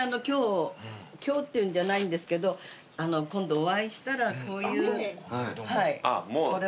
今日今日っていうんじゃないんですけど今度お会いしたらこういう。